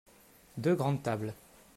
deux grandes tables.